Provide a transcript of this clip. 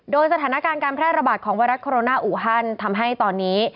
โดยสถานการณ์การแพร่ระบาดของไวรัสโคโรนาอูฮันทำให้ตอนนี้